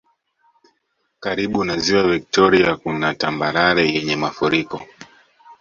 Karibu na Ziwa viktoria kuna tambarare yenye mafuriko